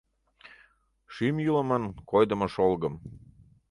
Шӱм йӱлымын — койдымо шолгым;